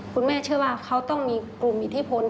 คุณแม่เชื่อว่าเขาต้องมีกลุ่มอิทธิพล